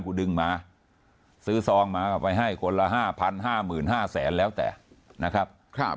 ดึงมาซื้อซองมาก็ไปให้คนละ๕๕๕๐๐๐แล้วแต่นะครับ